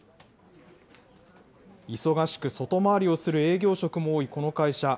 忙しく外回りをする営業職も多いこの会社。